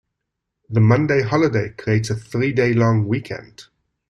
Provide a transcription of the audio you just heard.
The Monday holiday creates a three-day long weekend.